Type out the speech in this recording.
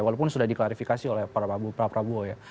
walaupun sudah diklarifikasi oleh prabowo ya